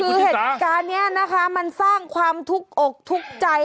คือเหตุการณ์นี้นะคะมันสร้างความทุกข์อกทุกข์ใจ